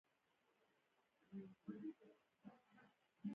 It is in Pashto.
پوهنځیو رییسان غړي شي.